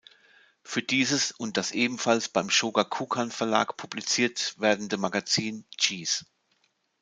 Für dieses und das ebenfalls beim Shōgakukan-Verlag publiziert werdende Magazin "Cheese!